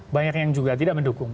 banyak yang juga tidak mendukung